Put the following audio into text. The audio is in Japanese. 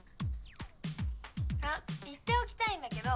あっ言っておきたいんだけど。